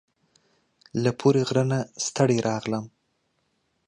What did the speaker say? له پوري غره نه ستړي راغلم